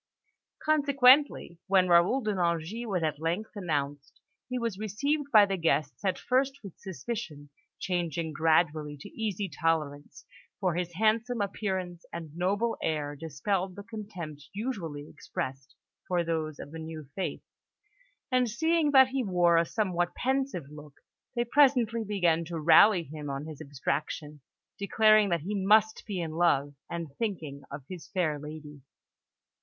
Consequently, when Raoul de Nangis was at length announced, he was received by the guests at first with suspicion, changing gradually to easy tolerance, for his handsome appearance and noble air dispelled the contempt usually expressed for those of the new faith; and seeing that he wore a somewhat pensive look, they presently began to rally him on his abstraction, declaring that he must be in love and thinking of his fair lady.